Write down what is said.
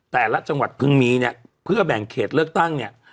แต่ละจังหวัดเพิ่งมีเนี่ยเพื่อแบ่งเขตเลือกตั้งเนี่ย